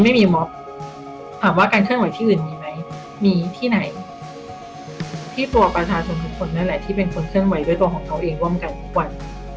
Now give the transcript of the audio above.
ไม่มีมอบถามว่าการเคลื่อนไหวที่อื่นมีไหมมีที่ไหนที่ตัวประชาชนทุกคนนั่นแหละที่เป็นคนเคลื่อนไหวด้วยตัวของเขาเองร่วมกันทุกวัน